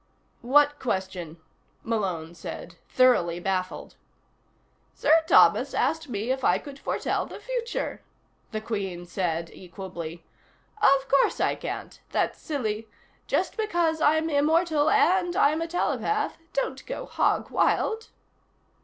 "What question?" Malone said, thoroughly baffled. "Sir Thomas asked me if I could foretell the future," the Queen said equably. "Of course I can't. That's silly. Just because I'm immortal and I'm a telepath, don't go hog wild."